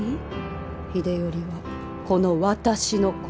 秀頼はこの私の子。